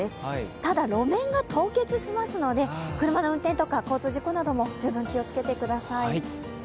ただ、路面が凍結しますので、車の運転とか交通事故とかも十分気をつけてください。